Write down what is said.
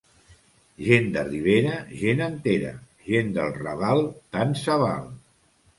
Gent de Ribera, gent entera; gent del Raval, tant se val.